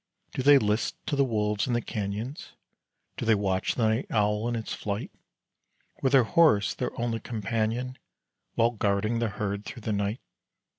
Do they list to the wolves in the canyons? Do they watch the night owl in its flight, With their horse their only companion While guarding the herd through the night?